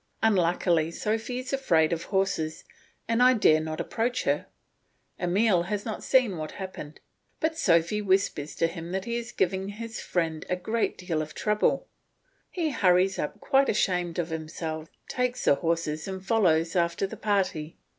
Unluckily Sophy is afraid of horses, and I dare not approach her. Emile has not seen what happened, but Sophy whispers to him that he is giving his friend a great deal of trouble. He hurries up quite ashamed of himself, takes the horses, and follows after the party.